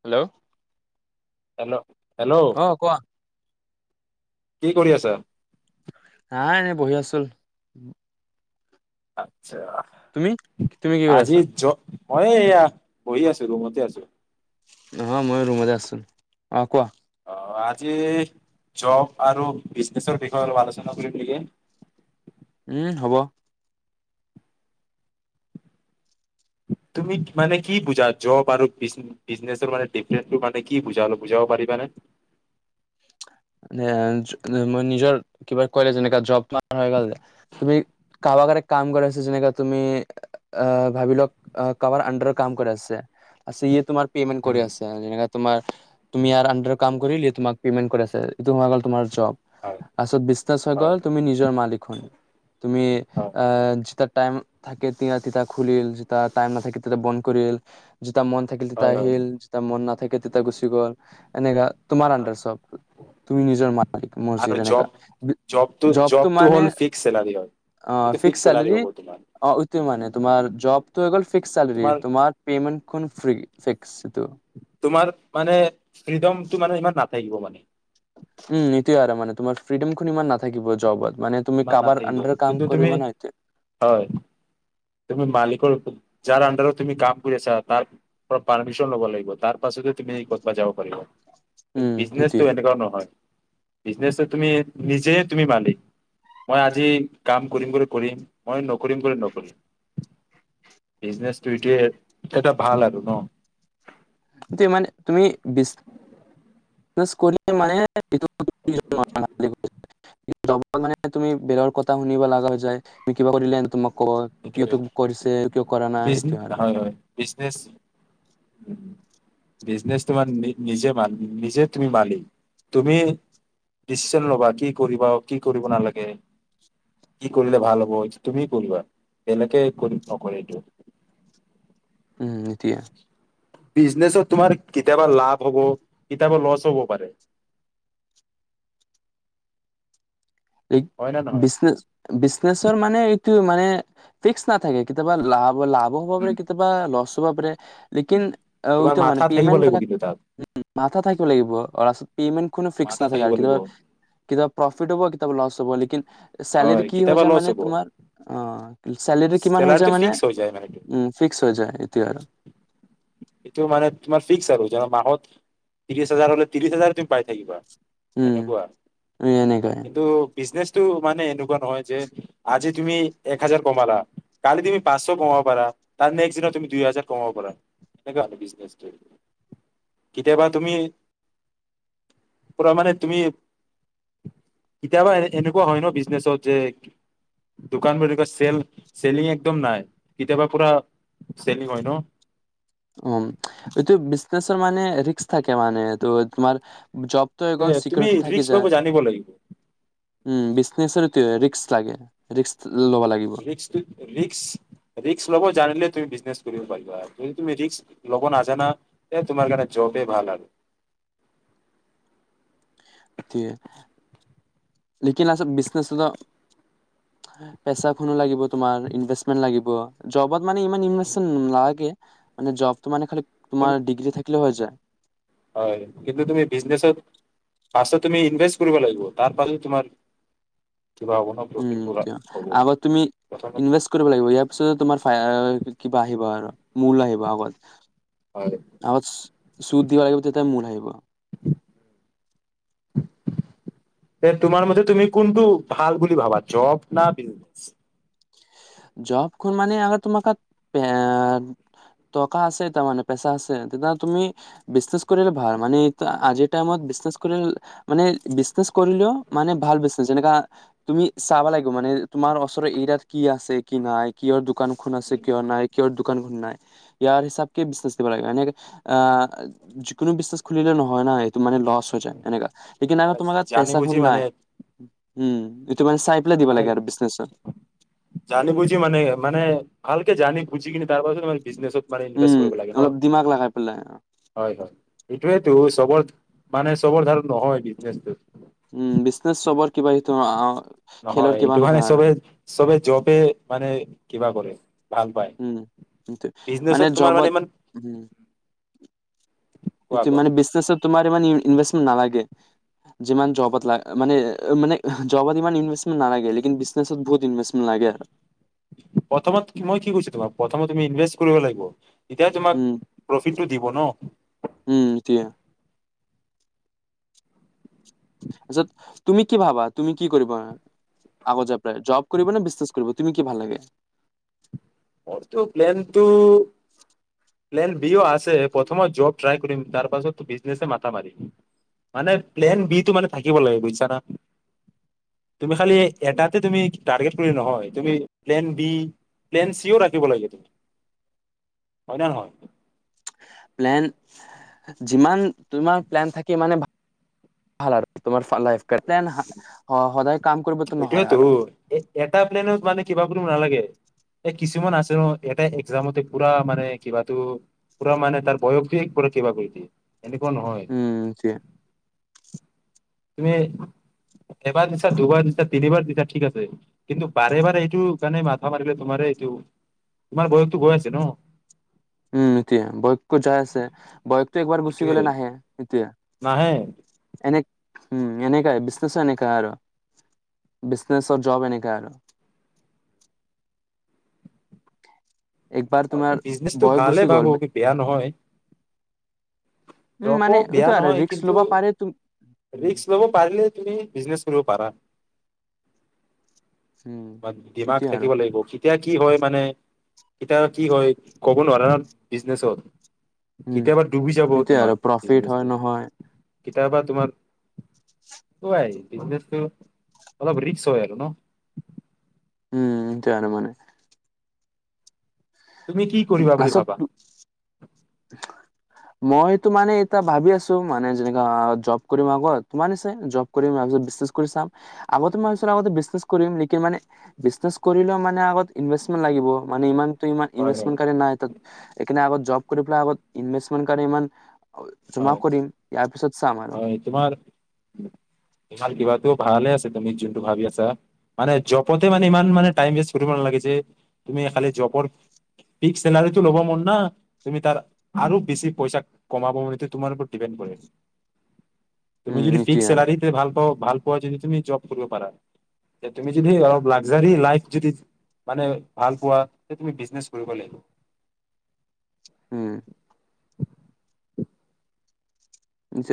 Hello. Hello hello অহ কোৱা। কি কৰি আছা। নাই এনে বহি আছো। অ। তুমি তুমি কি কৰি আছা। জ মই এই এয়া বহি আছোঁ ৰুমতে আছোঁ। অ মইও ৰুমতে আছোঁ অ কোৱা। অ আজি জব আৰু বিজনেচৰ বিষয়ে অলপ আলোচনা কৰিম নেকি। উম্ হ'ব। তুমি মানে কি বুজা জব আৰু বিজনেচৰ মানে ডিফাৰেন্ মানে কি বুজা বুজাব পাৰিবানে। মই নিজৰ কিবা কলে যেনেকা জব তুমি কাৰবাক কাম কৰাইছা যেনেকোৱা তুমি আহ ভাৱিলক কাৰোবাৰ আণ্ডাৰ কাম কৰাইছে পিছত ই তোমাৰ। পেমেণ্ট কৰি উম, আছে যেনেকা তোমাৰ তুমি ইয়াৰ আণ্ডাত কাম। কৰিলে পেমেণ্ট কৰাইছে। তোমাৰ অকল তোমাৰ। চব হয় তাৰ পিছত বিজনেচ হৈ হয় গল তুমি নিজৰ মালিকখন তুমি হয় আহ যেতিয়া টাইম। থাকে তেতিয়া, তেতিয়া খুলিল যেতিয়া টাইম নাথাকে তেতিয়া বন্ধ কৰিল। যেতিয়া মন থাকিল হয় হয় আহিল যেতিয়া মন নাথাকে তেতিয়া গুচি গ'ল। এনেকা। তোমাৰ আণ্ডাৰ চব। তুমি নিজৰ মালিক মই আৰু যেনেকা জব জবটো মানে হ'ল ফিক্স চেলাৰী হয় অ এইটো ফিক্স চেলাৰী চালাৰী হ'ব তোমাৰ এইটো মানে। তোমাৰ জবতো হৈ গ'ল। ফিক্স চেলাৰী তোমাৰ পেমেণ্ট। কোন ফ্ৰী ফিক্স এইটো। তোমাৰ মানে ফ্ৰীডমটো মানে ইমান নাথাকিব মানে। উম্ এইটোৱে আৰু মানে তোমাৰ ফ্ৰ্ৰীডমখন ইমান নথাকিব জবত। মানে তুমি ইমান কাৰোবাৰ নাথাকিব আণ্ডাৰ কাম কিন্তু তুমি কৰিব না হয় তুমি মালিকৰ। যাৰ আণ্ডাৰ তুমি কাম কৰি আছা তাৰ পৰা পাৰ্মিশন ল'ব লাগিব। তাৰ পিছত হে তুমি ক'তোবাত যাব পাৰিব। কিন্তু উম বিজনেচটো এইটোয়ে এনেকুৱা নহয়। বিজনেছত তুমি নিজে তুমি মালিক। মই আজি কাম কৰিম বুলি কৰিম মই নকৰিম বুলি নকৰিম বিজনেচ এইটোৱে এটা ভাল আৰু ন। এতিয়া মানে তুমি বিশ্বাস কৰিলেওঁ মানে তুমি বেলেগৰ কথা শুনিব লগা হৈ যায় তুমি কিবা কৰিলে তোমাক। কয় কিয় এইটোৱে কৰিছে কিয় কৰা নাই বিজ এইটোৱে আৰু। হয় হয় বিজনেচ বিজনেচ তোমাৰ নিজে নিজে তুমি মালিক। ডিচিচন ল'বা কি কৰিবা কি কৰিব নালাগে কি কৰিলে ভাল হ'ব তুমি কৰিবা। এনেকে কৰ নকৰ এইটো। উম্ এতিয়া। বিজনেচত তোমাৰ কেতিয়াবা লাভ হ'ব কেতিয়াবা লচ হ'ব পাৰে। হয় নে নহয় বিজনেচ বিচনেচৰ মানে এইটো মানে। ফিক্স নাথাকে কেতিয়া লাভ। লাভ হ'ব পাৰে কেতিয়াবা লচ হ'ব পাৰে। বাপ ৰে। লেকিন তোমাৰ এইটোৱে মানে মাথা থাকিব পেমেণ্ট লাগিব বিলক কিন্তু তাত মাথা থাকিব লাগিব। পেমেণ্ট কোনো ফিক্স মাথা নাথাকে, থাকিব লাগিব কেতিয়াবা প্ৰফিট হ'ব কেত লচ হ'ব লেকিন চালৰি হয় কি হৈ কেতিয়াবা যায় লছ মানে হ'ব তোমাৰ অ চালৰি কিমান হৈ যায় চেলাৰীটো মানে ফিক্স হৈ যায় মানে এইটো উ ফিক্স হৈ যায় এটিয়া আৰু। এইটো মানে তোমাৰ ফিক্স আৰু জান মাহত ত্ৰি হাজাৰ হলে ত্ৰিশ হাজাৰ তুমি পাই থাকিবা। উম এনেকুৱা এনেকাই কিন্তু বিজনেচটো মানে এনেকুৱা নহয় যে, আজি তুমি এক হাজাৰ কমালা কালি তুমি পাঁচশ কমাব পাৰা, তাৰ নেক্স দিনত তুমি দুই হাজাৰ কমাব পাৰা। তেনেকুৱা আৰু বিজনেছটো, কেতিয়াবা তুমি পুৰা মানে তুমি কেতিয়াবা এনেকুৱা হয় ন বিজনেচত যে দোকানবোৰ এনোকা চেল চেলিং একদম নাই কেতিয়াবা পুৰা চেলিং হয় ন। উম, এইটো বিজনেচৰ মানে ৰিস্ক থাকে মানে তো তোমাৰ জবটো হৈ গ'ল এ তুমি চিকিউৰিটি থাকি ৰিস্ক যায় ল'ব জানিব লাগিব। উম বিজনেছ এইটোৱে ৰিস্ক লাগে, ৰিস্ক ল'ব লাগিব ৰিস্কটোই ৰিস্ক ৰিস্কই লবই জানিলে তুমি বিজনেছ কৰিব পাৰিবা। যদি তুমি ৰিস্ক ল'ব নাজানা তোমাৰ কাৰণে জবেই ভাল আৰু। এইটোৱে লেকিন আচ বিজনেছ হ'ল পেচাখনো লাগিব তোমাৰ ইনভেমেন্ট লাগিব, জবত মানে ইমান ইনভেচন নালাগে। মানে জবটো মানে খালি। তুমি তোমাৰ ডিগ্ৰী থাকে। হৈ যায় [unintelligible] হয় কিন্তু তুমি বিজনেচত তুমি ইনভেষ্ট কৰিব লাগিব তাৰ পাহে তোমাৰ। কিবা হ'ব ন উম প্ৰফিটবোৰ দিয়, হ'ব আগত তুমি প্ৰথমত ইনভেষ্ট কৰিব লাগিব, ইয়াৰ পিছত তোমাৰ কিবা আহিব আৰু। মূল আহিব আগত। হয় আত। শুদ্ধিব লাগিব তেতিয়ে মূল আহিব। এ তোমাৰ মধে তুমি কোনটো ভাল বুলি ভাবা জব ন বিজনেচ। জব মানে আ তোমাৰ তাত, টকা আছে তাৰে পেচা আছে তেতিয়া তুমি বিজনে কৰিলে ভাল মানে আজিৰ টাইমত বিনে কৰিলে মানে বিজনেছ কৰিলেও মানে ভাল বিনে যেনেকা তুমি চাব লাগিব মানে তোমাৰ ওচৰৰ এৰিয়াত কি আছে। কি নাই কিহৰ। দোকান খোলাছে কিয় নাই কি। নাই ইয়াৰ হিচাপত বিজনেছ দিব লাগিব এনেকে যিকোনো বিজনেছ খুলিলে নহয় না সেইটো মানে লছ হব হৈ যায় এনেকা। সেইকানে মানে তোমাৰ তাত জানি বুজি পইচাখন নাই। মানে উম। ত মানে চাই পেলাই দিব মানে লাগে আৰু বিজনেছৰ। জানি বুজি মানে মানে ভাল কে জানি বুজি কিনে তাৰ পাছত মানে বিস্নেছ মানে ইনভেষ্ট উম, কৰিব লাগে ন। অলপ দিমাগ লগাই পেলাই হয় হয় এইটোৱো চবত মানে চবৰ ধাৰণ নহয় বিজনেচ টো। উম বিচনেচ চবৰ। কিবা সেইটো অ, নহয় খেলৰ এইটো কিবা কাৰণে নহয় আৰু। চবে চবে জবে মানে, কিবা কৰে। ভাল পায় উম কিন্তু মানে বিজনেচত তোমাৰ জবত ইমান হম কোৱা টো কোৱা মানে বিজনেছ তোমাৰ ইমান এনভেছমেণ্ট নালাগে যিমান জবত লা মানে মানে জবত ইমান এনভেছমেণ্ট নালাগে লেকিন বিজনেছত বহুত এনভেছমেণ্ট লাগে প্ৰথমত মই কি কৈছো তোমাক প্ৰথমত তুমি ইনভেষ্ট কৰিব লাগিব তেতিয় তোমাক উম, প্ৰফিটটো দিব উম, সেইটোৱে ন যত তুমি কি ভাবা তুমি কি কৰিবা আগত য জব কৰিবা নে বিজনেছ কৰিব তুমি কি ভাল লাগে মই ত প্লেন টো প্লেন বি আ ছে প্ৰথমত জব ট্ৰাই তাৰ পাছত বিজনেছ মাথা মাৰিম মানে প্লেন বি টো মানে থাকিব লাগে বুইছা না তুমি খালি এটাতে তুমি টাৰগেত কৰি নহয় তুমি প্লেন বি প্লেন চি ও ৰাখিব লাগে হয় ন নহয় প্লেন যিমান তোমাৰ প্লেন থাকি মানে ভাল আৰু তোমাৰ লাইফ টাইম সদায় কাম কৰিবতো নহয় এইটোয়েতো আৰু এ এটা প্লেনত মানে কিবাব নালাগে এ কিছুমান আছে ন এটা একজামতে পুৰা মানে কিবাটো পুৰা মানে তাৰ বয়সটো এক কিবা কৰি দিয়ে এনেকুৱা নহয় উম এতিয়া তুমি এবাৰ দিছা দুবাৰ দিছা তিনিবাৰ দিছা ঠিক আছে কিন্তু বাৰে বাৰে এইটো কাৰণে মাথা মাৰিলে তোমাৰ এইটো তোমাৰ বয়সতো গৈ আছে ন উম এতিয়া বয়সকো যাই আছে বয়সতো একবাৰ গুচি এইটোৱে গলে নাহে এতিয়া নাহে এনে উম এনেকাই বিজনেছ এনেকাই আৰু বিজনেছ, জব এনেকাই আৰু একবাৰ হয় তোমাৰ বিজনেছটো বয়স ভালে গুচি গ'ল ভাবো কি বেয়া নহয় উম জবো মানে এইটো বেয়া আৰু নহয় ৰিক্স কিন্তু ল'ব পাৰে তুম উম ৰিস্ক লব পাৰিলে তুমি বিজনেছ কৰিব পাৰা উম দিমাগ এতিয়া আৰু থাকিব লাগিব কেতিয়া কি হয় মানে? এতিয়া কি হয় ক'ব নোৱাৰৰ বিজনেছত। কেতিয়াবা ডুবি যাব। তে তোমাৰ আৰু প্ৰফিট হয় বিজনেচটো নহয় কেতিয়াবা তোমাৰ অলপ ৰিস্ক হয় আৰু ন। উম এইটোয়ে আৰু মানে। তুমি কি কৰিবা বুলি ভাবা মইটো মানে এয়া ভাবি আছো মানে যেনেকা জব কৰিম আগত তোমাৰ নিচিনাই জব কৰিম বিজনেছ কৰি চাম আগতে মই ভাবিছিলো কৰি মানে বিজনেচ কৰিলে মানে আগত ইনভেচমেন্ট লাগিব মানে ইমান ইমান হয় ইনভেষ্টম হয় কাৰি নাই তাত লেকিন আগত জব আগত এনভেছমেণ্ট কাৰণে ইমান জমা হয় কৰিম ইয়াৰ পিছত চাম আৰু হয় তোমাৰ ভাল কিবা ভালে আছে তুমি যোনটো ভাবি আছা মানে জবতে মানে ইমান মানে টাইম ৱেষ্ট কৰিব নালাগে যে তুমি খাল জবৰ্ ফক্স চেলাৰীটো ল'ব মন না তুমি তাৰ আৰু বেছি পইচা কমাব ম তোমাৰ ওৰত ডিপেণ্ড কৰে? তুমি উম যদি নিটোৱে ফিক্স আৰু চেলাৰিতে ভাল পা ভাল পোৱা যদি তুমি জব কৰিব পাৰা তুমি যদি লাকজৰি লাইফ ভাল পোৱা তেতিয়া তুমি বিজনেছ কৰিব লাগিব। উম ব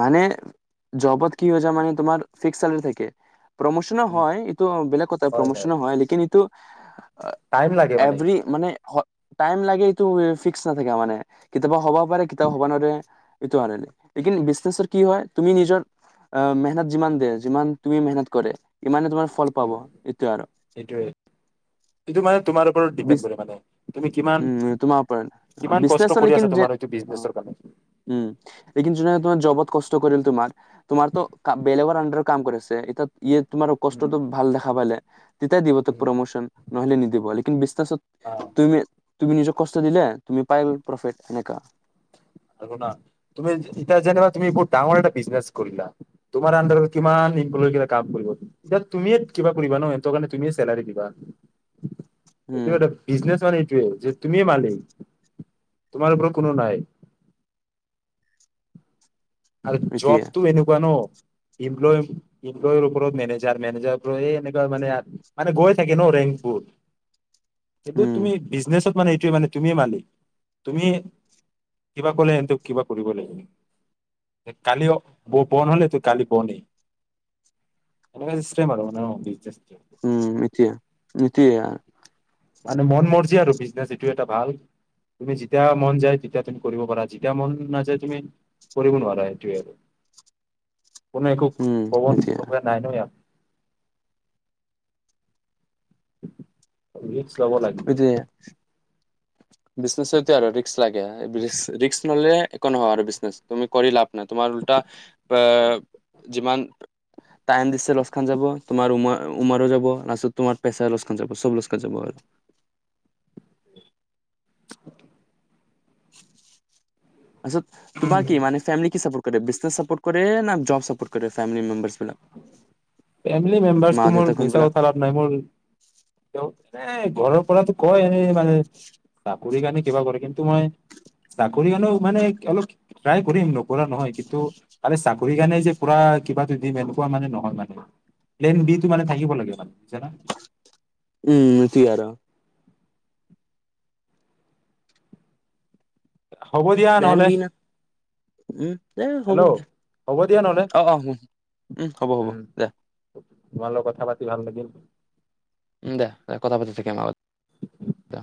মানে জবত কি হৈ যায় মান তোমাৰ ফিক্স চালাৰী থাকে। প্ৰমোচনো হয় এইটো বেলেগ কথা প্ৰমোচনো হয় লেকিন ইটো আ টাইম লাগে মানে। এভৰি মানে টাইম লাগে এইটো ফিক্স নাথাকে মানে, কেতিয়াবা হ'ব পাৰে কেতিয়াবা হ'ব নোৱাৰে। এইটো আৰু লেটিন বিজনেছত কি হয় তুমি নিজৰ আহ মেহনত যিমান দিয়ে যিমান তুমি মেহনত কৰে, ইমানে তোমাৰ ফল পাব এইটোৱে আৰু সেটোৱে আৰু। এইটো মানে তোমাৰ ওপৰত ডিপেড বিজ কৰে মানে তুমি কিমান, উম তোমাৰ পৰা কিমান কষ্ট বিজনেচৰ কৰি লেকিন আছা যে তোমাৰ এই বিজনেচৰ কাৰণে। উম। লেকিন যোনে তোমাৰ জবত কষ্ট কৰিল তোমাৰ তোমাৰতো বেলেগৰ আডাৰ কাম কৰিছে। এতিয়া ইয় তোমাৰ কষ্টটো ভাল দেখা পালে, তেতিয়াই দিব তোক উম, প্ৰমোচন। নহলে নিদিব লেকিন বিচ ছাছত আ, তুমিয়ে তুমি নিজক কষ্ট দিলে তুমি পাই গ'ল প্ৰফেট সেনেকা। ঐ শুনা, তুমি এতিয়া যেনিবা তুমি বহুত ডাঙৰ এটা বিজনেছ কৰিলা, তোমাৰ আনদাৰত কিমান এমপ্লয়ে গিলা কাম কৰিব। তেতিয়া তুমিয়ে কিবা কৰিবা। এনতকানেটো তুমিয়ে চেলাৰি দিবা। উম, এইটোৱেত বিজনেচ মানে এ যে তুমি মালিক তোমাৰ ওপৰত কোনো নাই। আৰু এতিয়া জবটো এনেকুৱা ন ইমপ্লম ইমপ্লয় ওপৰত মেনেজাৰ মেনেজাৰৰ ওপৰত এনেকোৱা মানে মানে গৈ থাকে ন ৰেংকবোৰ। সেইটো উম, তুমি বিজনেচত মানে এইটোয়ে মানে তুমি মালিক, তুমি কিবা ক'লে এনটক কিবা কৰিব লাগিব। কালি বন হলে তো কালি বনে। এনেকুৱা চিষ্টেম আৰু অ, উম এতিয়া, এতিয়া, মানে মন মৰ্জি আৰু বিজনেচ এইটো এটা ভাল। তুমি যেতিয়া মন যায় তেতিয়া তুমি কৰিব পাৰা, যেতিয়া মন নাযায় তুমি কৰিব নোৱাৰা। সেইটোয়ে কোনো একো উম, কবৰ এতিয়া লগা নাই ন ইয়াত, ৰিকচ লব লাগিব। বিজনেত আৰু ৰিক্ক লাগে ৰি্ক ললে একো নহয় আৰু তুমি কৰি পাবা। তোমাৰ উল্টা যিমান, টাইম দিছে লছখন যাব, তোমাৰ উমাৰ উমাৰো যাব, লাষ্টত তোমাৰ পেছাৰ লচখন যাব, চব লছখন যাব আৰু, অ! [inaudible] আছো। তোমাৰ কি মানে ফেমেলি কিছু, কৰে বিজনেছ ছাপৰ্ট কৰে ন, জব ছাপৰ্ট কৰে ফেমেলি মেম্বাৰছে, ফেমেলি মেম্বাৰছ মা টো দেউতা কোনবিলাক মোৰ নাই মোৰ, এ ঘৰৰ পৰাতো কয় এনে মানে চাকৰি কাৰণে কিবা কৰিবি। কিন্তু মই চাকৰি কাৰণেও মানে অলপ ট্ৰাই কৰিম নকৰা নহয়, কিন্তু কালি চাকৰি কাৰণে যে পুৰা কিবাটো দিম এনো। তেনেকুৱা মানে নহয় মানে। সেই বিটো মানে থাকিব লাগে মানে উম জি আৰু, হ'ব দিয়া প্লেন নহ'লে বি না উম দে হ'ব হেল্ল' দে হ'ব দিয়া নহ'লে অ অ উম হ'ব হ'ব দে, তোমালগত কথা পাতি ভাল লাগিল। উম দে দে কথা পাতিছো [unintelligible] থমত দে